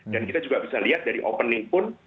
dan kita juga bisa lihat dari opening pun